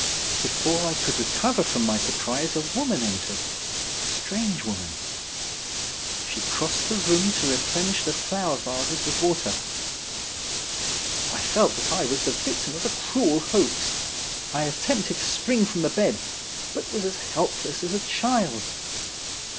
Before I could recover from my surprise a woman entered — a strange woman. She crossed the room to replenish the flower vases with water. I felt that I was the victim of a cruel hoax. I attempted to spring from the bed, but was as helpless as a child.